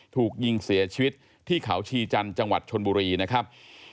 ถูกยิงเสียชีวิตที่เขาชีจันทร์จังหวัดชนบุรีนะครับ